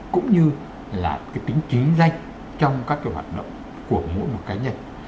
cũng như là cái tính chính danh trong các cái hoạt động của mỗi một cá nhân